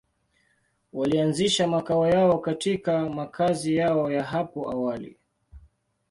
Walianzisha makao yao katika makazi yao ya hapo awali.